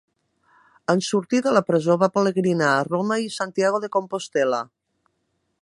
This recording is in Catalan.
En sortir de la presó va pelegrinar a Roma i Santiago de Compostel·la.